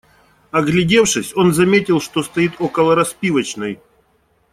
Оглядевшись, он заметил, что стоит около распивочной.